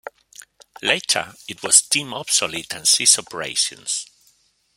Later, it was deemed obsolete and ceased operations.